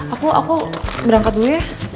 aku aku berangkat dulu ya